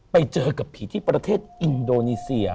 ไปเจอกับผีที่ประเทศอินโดนีเซีย